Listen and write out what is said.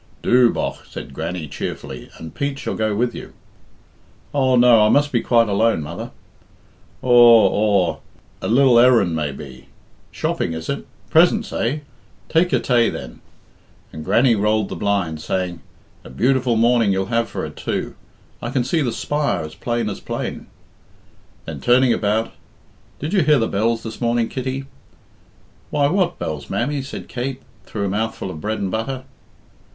"Do, bogh," said Grannie cheerfully, "and Pete shall go with you." "Oh, no; I must be quite alone, mother." "Aw, aw! A lil errand, maybe! Shopping is it? Presents, eh? Take your tay, then." And Grannie rolled the blind, saying, "A beautiful morning you'll have for it, too. I can see the spire as plain as plain." Then, turning about, "Did you hear the bells this morning, Kitty?" "Why, what bells, mammy?" said Kate, through a mouthful of bread and butter.